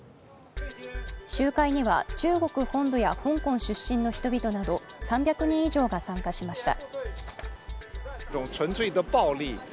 集会には、中国本土や香港出身の人々など３００人以上が参加しました。